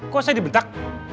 kok saya dibentak